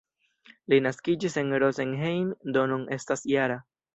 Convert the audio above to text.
Li naskiĝis en Rosenheim, do nun estas -jara.